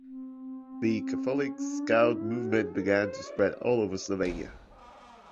The Catholic Scout Movement began to spread all over Slovenia.